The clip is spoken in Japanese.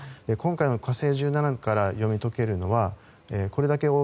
今回の「火星１７」から読み解けるのはこれだけ